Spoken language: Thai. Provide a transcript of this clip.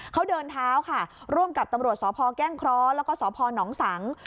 เขาเดินเท้าค่ะร่วมกับตำรวจสพแก้งเคราะห์แล้วก็สพนสัง